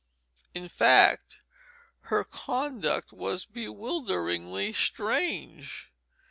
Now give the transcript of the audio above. In fact, her conduct was bewilderingly strange.